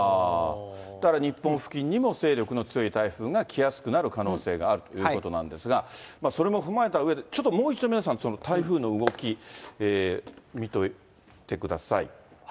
だから、日本付近にも勢力の強い台風が来やすくなる可能性があるということなんですが、それも踏まえたうえで、ちょっともう一度、皆さん、台風の動き、見ておいてください。